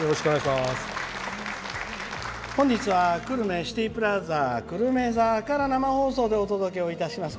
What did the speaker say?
本日は久留米シティプラザ久留米座から生放送でお届けをいたします。